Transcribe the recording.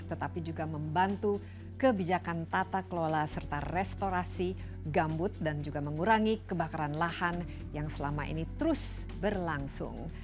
tetapi juga membantu kebijakan tata kelola serta restorasi gambut dan juga mengurangi kebakaran lahan yang selama ini terus berlangsung